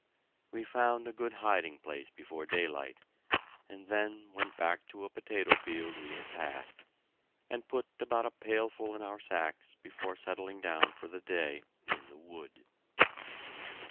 We found a good hiding place before daylight, and then went back to a potato field we had passed, and put about a pailful in our sacks before settling down for the day in the wood.